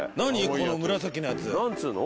この紫のやつ何て言うの？